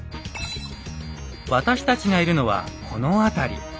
私たちがいるのはこの辺り。